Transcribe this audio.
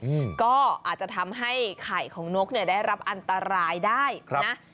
อืมก็อาจจะทำให้ไข่ของนกเนี่ยได้รับอันตรายได้ครับนะ